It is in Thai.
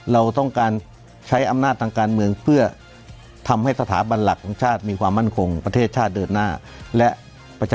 เราต้องการใช้อำนาจทางการเมืองเพื่อทำให้สถาบันหลักของชาติมีความมั่นคงประเทศชาติเดินหน้าและ